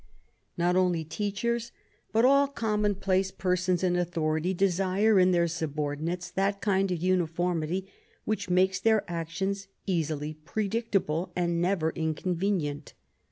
Not only teachers, but all commonplace persons in authority, desire in their subordinates that kind of uniformity which makes their actions easily predictable and never inconvenient.